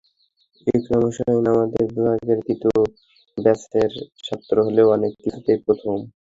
ইকরাম হোসাইন আমাদের বিভাগের তৃতীয় ব্যাচের ছাত্র হলেও অনেক কিছুতেই প্রথম।